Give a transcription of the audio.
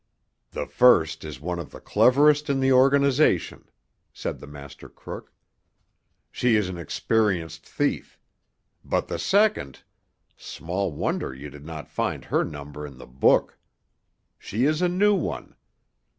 "The first is one of the cleverest in the organization," said the master crook. "She is an experienced thief. But the second—small wonder you did not find her number in the book! She is a new one.